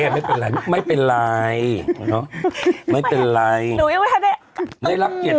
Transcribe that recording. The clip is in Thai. ไม่เป็นไรไม่เป็นไรเนาะไม่เป็นไรหนูยังไม่ทันเนี่ยได้รับเกียรติ